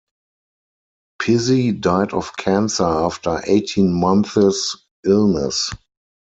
Pizzi died of cancer after eighteen months' illness.